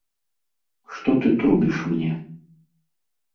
Што ты трубіш мне?